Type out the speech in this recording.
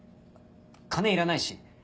金いらないし。